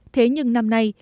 thế nhưng năm nay